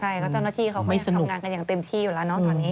ใช่เพราะเจ้าหน้าที่เขาก็ยังทำงานกันที่อยู่แล้วนะตอนนี้